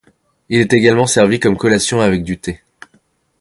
Il est également servi comme collation avec du thé.